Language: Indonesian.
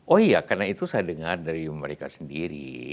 oh iya karena itu saya dengar dari mereka sendiri